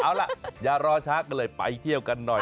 เอาล่ะอย่ารอช้าก็เลยไปเที่ยวกันหน่อย